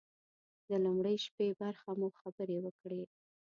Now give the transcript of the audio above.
د لومړۍ شپې برخه مو خبرې وکړې.